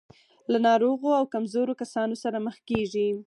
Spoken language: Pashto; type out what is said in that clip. له ناروغو او کمزورو کسانو سره مخ کېږي.